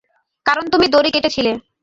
কারণ তুমি দড়ি কেটেছিলে।